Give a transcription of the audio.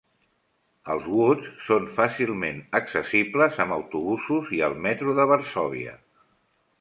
Els Woods són fàcilment accessibles amb autobusos i el metro de Varsòvia.